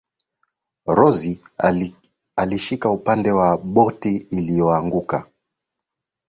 rose alishika upande wa boti iliyoanguka